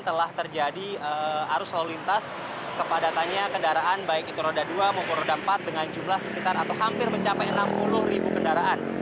telah terjadi arus lalu lintas kepadatannya kendaraan baik itu roda dua maupun roda empat dengan jumlah sekitar atau hampir mencapai enam puluh ribu kendaraan